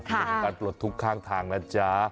ในการปลดทุกข์ข้างทางนะจ๊ะ